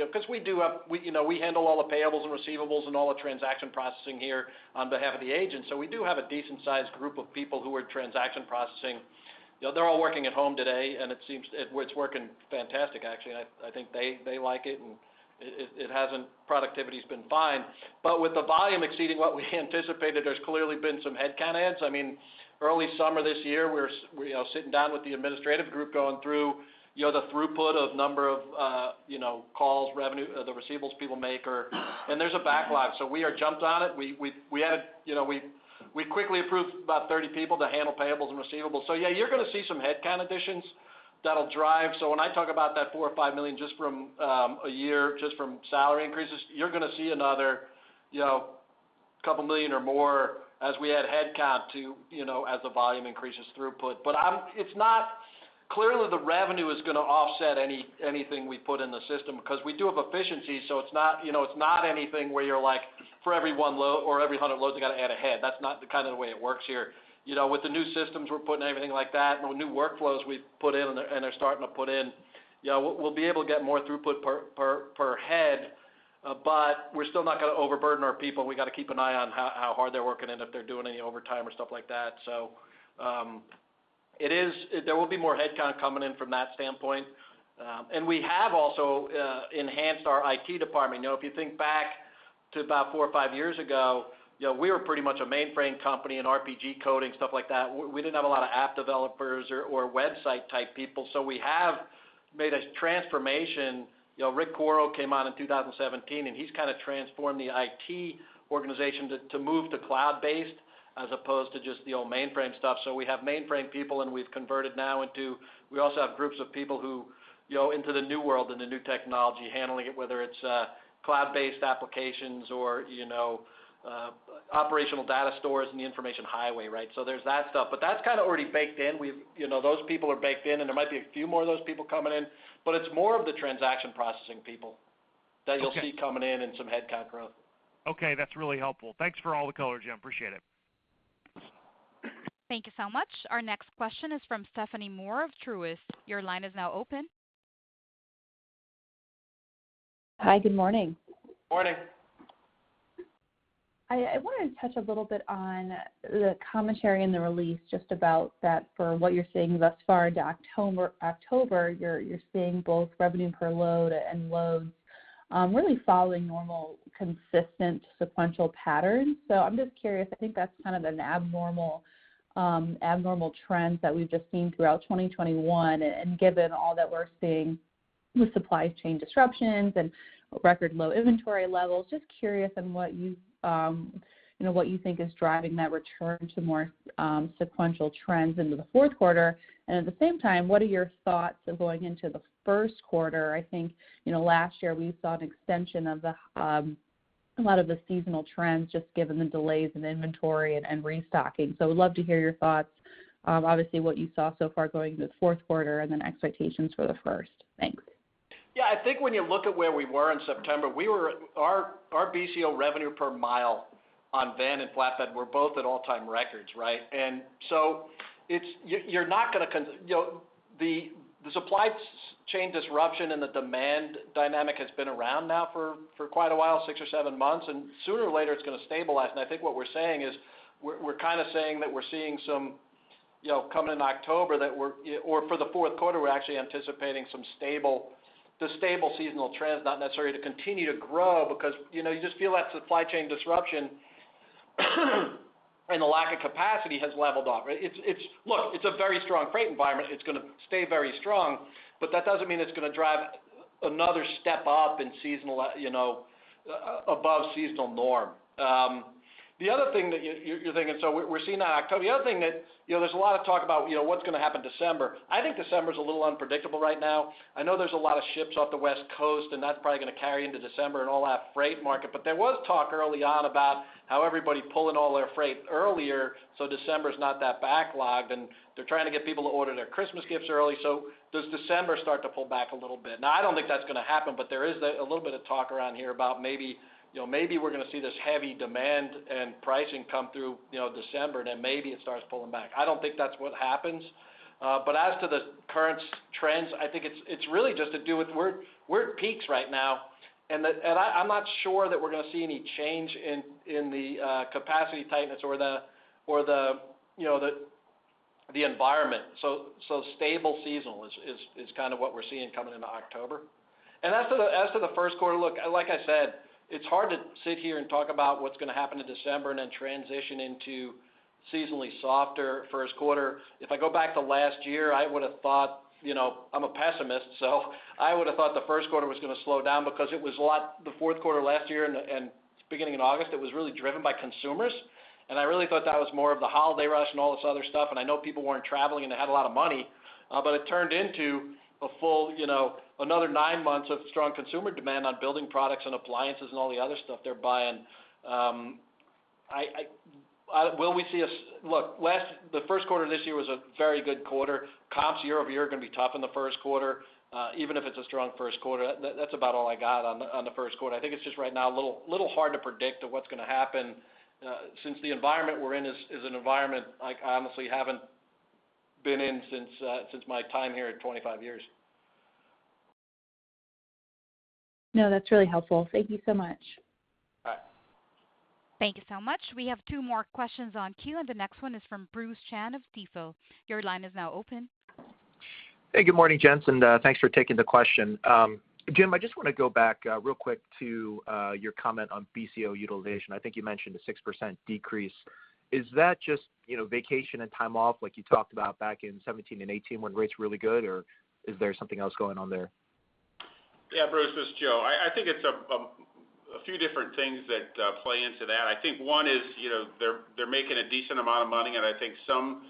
handle all the payables and receivables and all the transaction processing here on behalf of the agents, so we do have a decent-sized group of people who are transaction processing. They're all working at home today, and it's working fantastic, actually. I think they like it, and productivity's been fine. With the volume exceeding what we anticipated, there's clearly been some headcount adds. Early summer this year, we were sitting down with the administrative group going through the throughput of number of calls, revenue, the receivables people make, and there's a backlog. We have jumped on it. We quickly approved about 30 people to handle payables and receivables. Yeah, you're going to see some headcount additions that'll drive. When I talk about that $4 million or $5 million a year just from salary increases, you're going to see another $2 million or more as we add headcount as the volume increases throughput. Clearly, the revenue is going to offset anything we put in the system because we do have efficiencies, so it's not anything where you're like, for every 100 loads, you got to add a head. That's not the kind of way it works here. With the new systems we're putting and everything like that, and the new workflows we've put in and are starting to put in, we'll be able to get more throughput per head, but we're still not going to overburden our people. We got to keep an eye on how hard they're working and if they're doing any overtime or stuff like that. There will be more headcount coming in from that standpoint. We have also enhanced our IT department. If you think back to about four or five years ago, we were pretty much a mainframe company and RPG coding, stuff like that. We didn't have a lot of app developers or website type people, so we have made a transformation. Rocco Campanelli came on in 2017, and he's kind of transformed the IT organization to move to cloud-based as opposed to just the old mainframe stuff. We have mainframe people, and we also have groups of people who into the new world and the new technology, handling it, whether it's cloud-based applications or operational data stores and the information highway. There's that stuff. That's kind of already baked in. Those people are baked in, and there might be a few more of those people coming in, but it's more of the transaction processing people that you'll see coming in and some headcount growth. Okay. That's really helpful. Thanks for all the color, Jim. Appreciate it. Thank you so much. Our next question is from Stephanie Moore of Truist Securities. Your line is now open. Hi, good morning. Morning. I wanted to touch a little bit on the commentary in the release, just about that for what you're seeing thus far into October, you're seeing both revenue per load and loads really following normal, consistent sequential patterns. I'm just curious, I think that's kind of an abnormal trend that we've just seen throughout 2021, and given all that we're seeing with supply chain disruptions and record low inventory levels, just curious on what you think is driving that return to more sequential trends into the fourth quarter. At the same time, what are your thoughts of going into the first quarter? I think last year we saw an extension of a lot of the seasonal trends, just given the delays in inventory and restocking. Would love to hear your thoughts, obviously what you saw so far going into the fourth quarter and then expectations for the first. Thanks. I think when you look at where we were in September, our BCO revenue per mile on van and flatbed were both at all-time records. The supply chain disruption and the demand dynamic has been around now for quite a while, six or seven months, and sooner or later it's going to stabilize. I think what we're saying is we're kind of saying that we're seeing coming in October or for the fourth quarter, we're actually anticipating some stable seasonal trends. Not necessarily to continue to grow because you just feel that supply chain disruption and the lack of capacity has leveled off. Look, it's a very strong freight environment. It's going to stay very strong, that doesn't mean it's going to drive another step up above seasonal norm. The other thing that you're thinking, we're seeing that October. The other thing that there's a lot of talk about what's going to happen December. I think December's a little unpredictable right now. I know there's a lot of ships off the West Coast, and that's probably going to carry into December and all that freight market. There was talk early on about how everybody pulling all their freight earlier, so December's not that backlogged, and they're trying to get people to order their Christmas gifts early. Does December start to pull back a little bit? Now, I don't think that's going to happen, but there is a little bit of talk around here about maybe we're going to see this heavy demand and pricing come through December, then maybe it starts pulling back. I don't think that's what happens. As to the current trends, I think it's really just to do with we're at peaks right now, and I'm not sure that we're going to see any change in the capacity tightness or the environment. Stable seasonal is kind of what we're seeing coming into October. As to the first quarter, look, like I said, it's hard to sit here and talk about what's going to happen in December and then transition into seasonally softer first quarter. If I go back to last year, I'm a pessimist, so I would've thought the first quarter was going to slow down because the fourth quarter last year and beginning in August, it was really driven by consumers. I really thought that was more of the holiday rush and all this other stuff, and I know people weren't traveling, and they had a lot of money. It turned into another 9 months of strong consumer demand on building products and appliances and all the other stuff they're buying. Look, the first quarter this year was a very good quarter. Comps year-over-year are going to be tough in the first quarter. Even if it's a strong first quarter, that's about all I got on the first quarter. I think it's just right now a little hard to predict of what's going to happen, since the environment we're in is an environment I honestly haven't been in since my time here at 25 years. No, that's really helpful. Thank you so much. All right. Thank you so much. We have two more questions on queue, and the next one is from Bruce Chan of Stifel. Your line is now open. Hey, good morning, gents, and thanks for taking the question. Jim, I just want to go back real quick to your comment on BCO utilization. I think you mentioned a 6% decrease. Is that just vacation and time off like you talked about back in 2017 and 2018 when rates were really good, or is there something else going on there? Yeah, Bruce, this is Joe. I think it's a few different things that play into that. I think one is they're making a decent amount of money. I think some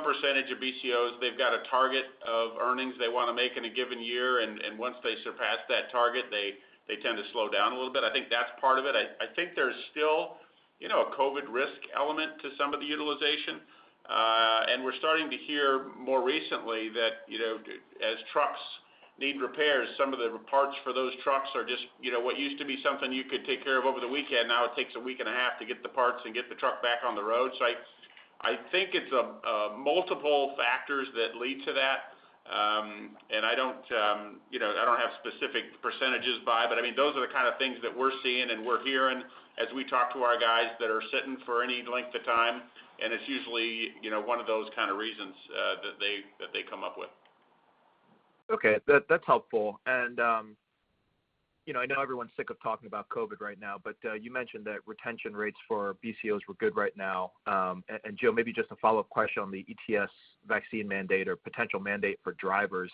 percentage of BCOs, they've got a target of earnings they want to make in a given year. Once they surpass that target, they tend to slow down a little bit. I think that's part of it. I think there's still a COVID risk element to some of the utilization. We're starting to hear more recently that as trucks need repairs, some of the parts for those trucks are just, what used to be something you could take care of over the weekend, now it takes a week and a half to get the parts and get the truck back on the road. I think it's multiple factors that lead to that. I don't have specific percentages by, but those are the kind of things that we're seeing and we're hearing as we talk to our guys that are sitting for any length of time, and it's usually one of those kinds of reasons that they come up with. Okay. That's helpful. I know everyone's sick of talking about COVID right now, but you mentioned that retention rates for BCOs were good right now. Joe, maybe just a follow-up question on the ETS vaccine mandate or potential mandate for drivers.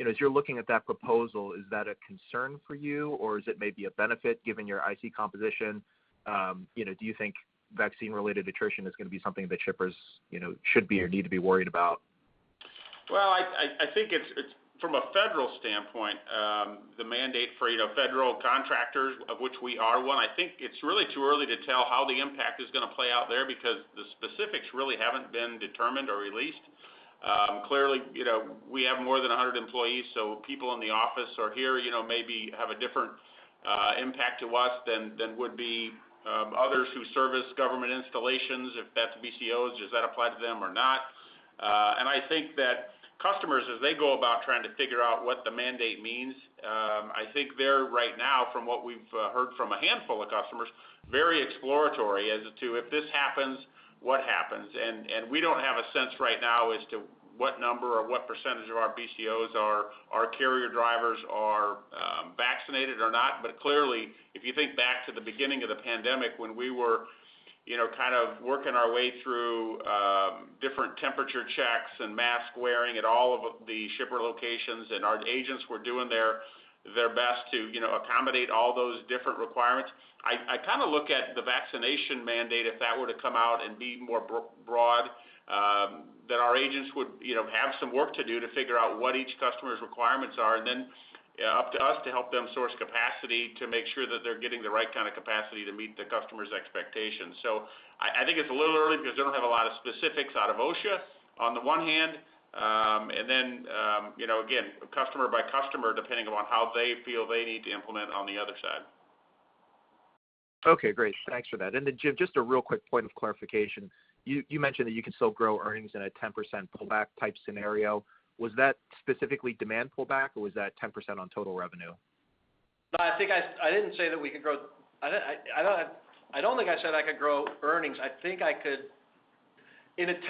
As you're looking at that proposal, is that a concern for you, or is it maybe a benefit given your IC composition? Do you think vaccine-related attrition is going to be something that shippers should be or need to be worried about? Well, I think from a federal standpoint, the mandate for federal contractors, of which we are one, I think it's really too early to tell how the impact is going to play out there because the specifics really haven't been determined or released. Clearly, we have more than 100 employees, so people in the office or here maybe have a different impact to us than would be others who service government installations. If that's BCOs, does that apply to them or not? I think that customers, as they go about trying to figure out what the mandate means, I think they're, right now, from what we've heard from a handful of customers, very exploratory as to if this happens, what happens? We don't have a sense right now as to what number or what percent of our BCOs, our carrier drivers are vaccinated or not. Clearly, if you think back to the beginning of the pandemic when we were working our way through different temperature checks and mask-wearing at all of the shipper locations, and our agents were doing their best to accommodate all those different requirements. I look at the vaccination mandate, if that were to come out and be more broad, that our agents would have some work to do to figure out what each customer's requirements are, and then up to us to help them source capacity to make sure that they're getting the right kind of capacity to meet the customer's expectations. I think it's a little early because they don't have a lot of specifics out of OSHA on the one hand, and then again, customer by customer, depending upon how they feel they need to implement on the other side. Okay, great. Thanks for that. Jim Gattoni, just a real quick point of clarification. You mentioned that you can still grow earnings in a 10% pullback-type scenario. Was that specifically demand pullback, or was that 10% on total revenue? I don't think I said I could grow earnings. In a 10%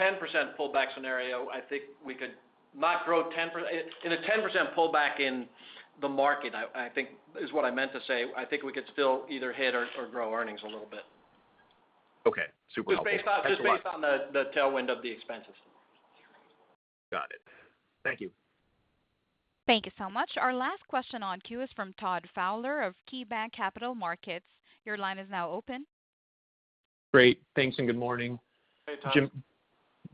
pullback scenario, I think we could not grow 10%. In a 10% pullback in the market, I think is what I meant to say. I think we could still either hit or grow earnings a little bit. Okay. Super helpful. Thanks a lot. Just based on the tailwind of the expenses. Got it. Thank you. Thank you so much. Our last question on queue is from Todd Fowler of KeyBanc Capital Markets. Your line is now open. Great. Thanks. Good morning. Hey,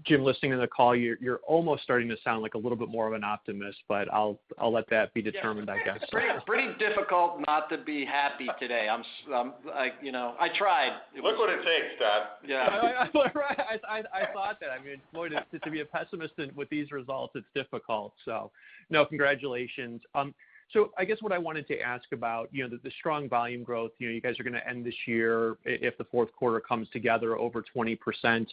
Todd. Jim, listening to the call, you're almost starting to sound like a little bit more of an optimist, but I'll let that be determined, I guess. Yeah. It's pretty difficult not to be happy today. I tried. Look what it takes, Todd. Yeah. Right. I thought that. To be a pessimist with these results, it's difficult. No, congratulations. I guess what I wanted to ask about the strong volume growth. You guys are going to end this year, if the fourth quarter comes together, over 20%.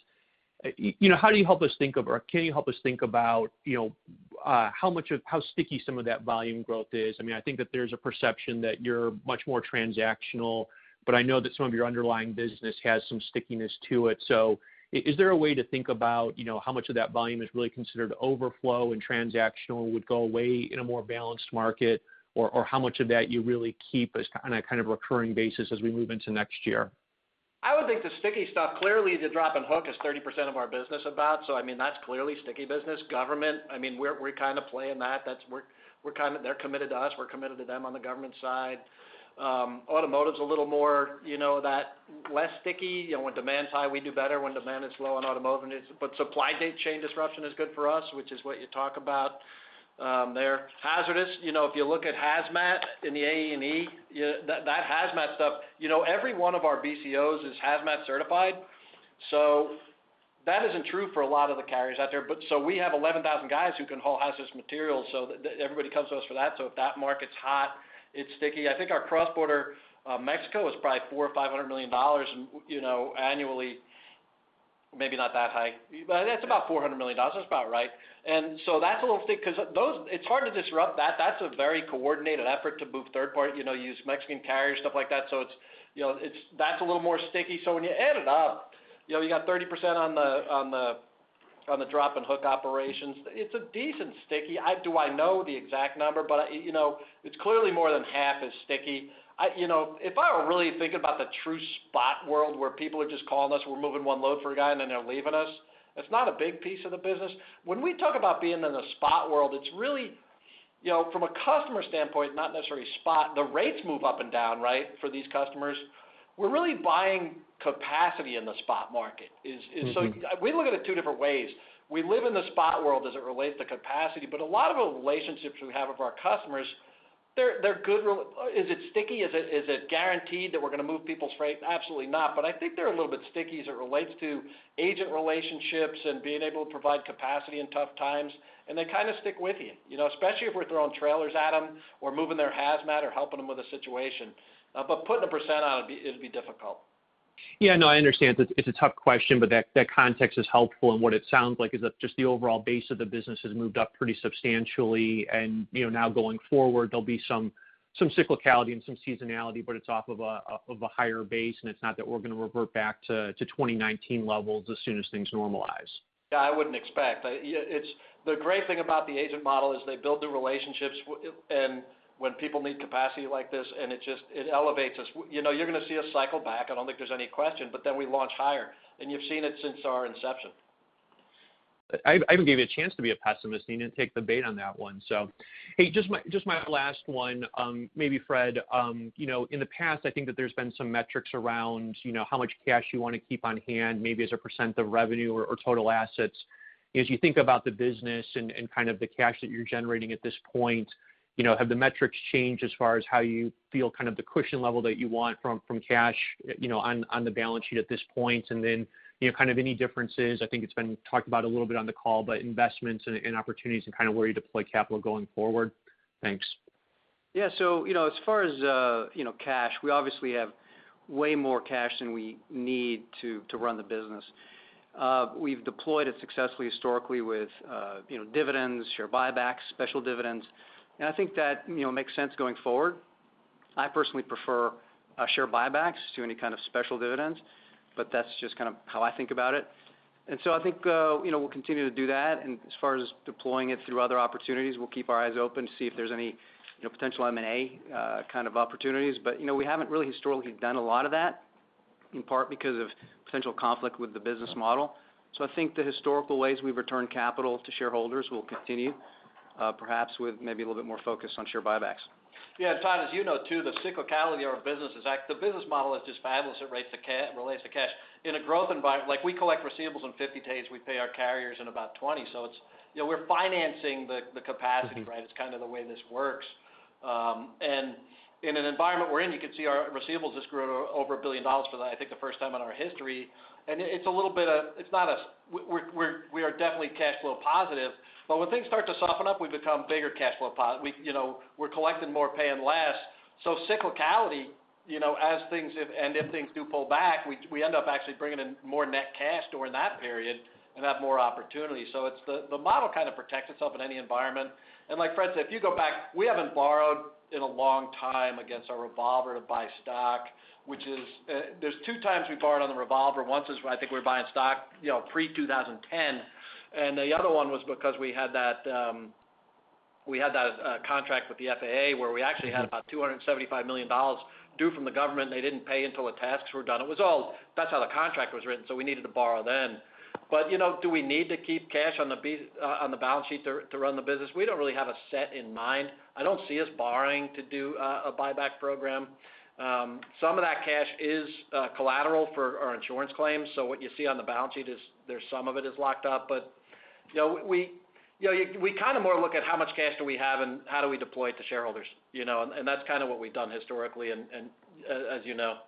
Can you help us think about how sticky some of that volume growth is? I think that there's a perception that you're much more transactional, but I know that some of your underlying business has some stickiness to it. Is there a way to think about how much of that volume is really considered overflow and transactional would go away in a more balanced market? How much of that you really keep as kind of recurring basis as we move into next year? I would think the sticky stuff, clearly the drop and hook is 30% of our business about. That's clearly sticky business. Government, we're kind of playing that. They're committed to us, we're committed to them on the government side. Automotive's a little more, less sticky. When demand's high, we do better. When demand is low on automotive, but supply chain disruption is good for us, which is what you talk about there. Hazardous, if you look at hazmat in the A&E, that hazmat stuff, every one of our BCOs is hazmat certified. We have 11,000 guys who can haul hazardous materials. Everybody comes to us for that. If that market's hot, it's sticky. I think our cross-border Mexico is probably $400 million or $500 million annually. Maybe not that high, but that's about $400 million. That's about right. That's a little sticky because it's hard to disrupt that. That's a very coordinated effort to move third party, use Mexican carriers, stuff like that. That's a little more sticky. When you add it up, you got 30% on the drop and hook operations. It's a decent sticky. Do I know the exact number? It's clearly more than half is sticky. If I really think about the true spot world where people are just calling us, we're moving one load for a guy and then they're leaving us, it's not a big piece of the business. When we talk about being in the spot world, it's really from a customer standpoint, not necessarily spot. The rates move up and down, right, for these customers. We're really buying capacity in the spot market. We look at it two different ways. We live in the spot world as it relates to capacity, but a lot of the relationships we have of our customers, they're good. Is it sticky? Is it guaranteed that we're going to move people's freight? Absolutely not, but I think they're a little bit sticky as it relates to agent relationships and being able to provide capacity in tough times, and they kind of stick with you. Especially if we're throwing trailers at them or moving their hazmat or helping them with a situation. Putting a percent on it'd be difficult. Yeah, no, I understand. It's a tough question, but that context is helpful. What it sounds like is that just the overall base of the business has moved up pretty substantially, and now going forward, there'll be some cyclicality and some seasonality, but it's off of a higher base, and it's not that we're going to revert back to 2019 levels as soon as things normalize. Yeah, I wouldn't expect. The great thing about the agent model is they build the relationships, and when people need capacity like this, and it just elevates us. You're going to see us cycle back, I don't think there's any question, but then we launch higher. You've seen it since our inception. I even gave you a chance to be a pessimist, and you didn't take the bait on that one. Hey, just my last one. Maybe Fred, in the past, I think that there's been some metrics around how much cash you want to keep on hand, maybe as a percent of revenue or total assets. As you think about the business and kind of the cash that you're generating at this point, have the metrics changed as far as how you feel kind of the cushion level that you want from cash on the balance sheet at this point? Then, kind of any differences, I think it's been talked about a little bit on the call, but investments and opportunities and kind of where you deploy capital going forward? Thanks. Yeah. As far as cash, we obviously have way more cash than we need to run the business. We've deployed it successfully historically with dividends, share buybacks, special dividends, and I think that makes sense going forward. I personally prefer share buybacks to any kind of special dividends, but that's just kind of how I think about it. I think we'll continue to do that, and as far as deploying it through other opportunities, we'll keep our eyes open to see if there's any potential M&A kind of opportunities. We haven't really historically done a lot of that, in part because of potential conflict with the business model. I think the historical ways we've returned capital to shareholders will continue, perhaps with maybe a little bit more focus on share buybacks. Yeah. Todd, as you know too, the cyclicality of our business is, the business model is just fabulous. It relates to cash. In a growth environment, like we collect receivables in 50 days, we pay our carriers in about 20. We're financing the capacity, right? It's kind of the way this works. In an environment we're in, you can see our receivables has grown over $1 billion for, I think, the first time in our history. It's a little bit of, we are definitely cash flow positive, but when things start to soften up, we become bigger cash flow positive. We're collecting more, paying less. Cyclicality, and if things do pull back, we end up actually bringing in more net cash during that period and have more opportunity. The model kind of protects itself in any environment. Like Fred said, if you go back, we haven't borrowed in a long time against our revolver to buy stock. There's two times we borrowed on the revolver. Once is, I think we were buying stock pre-2010, the other one was because we had that contract with the FAA where we actually had about $275 million due from the government, they didn't pay until the tasks were done. That's how the contract was written, we needed to borrow then. Do we need to keep cash on the balance sheet to run the business? We don't really have a set in mind. I don't see us borrowing to do a buyback program. Some of that cash is collateral for our insurance claims, what you see on the balance sheet is there's some of it is locked up. We kind of more look at how much cash do we have and how do we deploy it to shareholders, and that's kind of what we've done historically, as you know.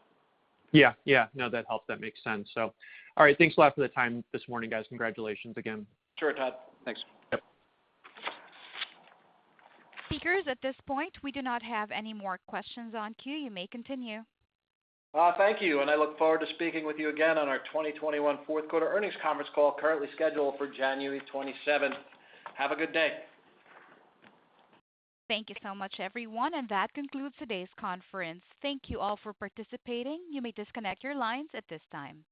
Yeah. No, that helps. That makes sense. All right. Thanks a lot for the time this morning, guys. Congratulations again. Sure, Todd. Thanks. Yep. Speakers, at this point, we do not have any more questions on queue. You may continue. Thank you, and I look forward to speaking with you again on our 2021 fourth quarter earnings conference call, currently scheduled for January 27th. Have a good day. Thank you so much, everyone. That concludes today's conference. Thank you all for participating. You may disconnect your lines at this time.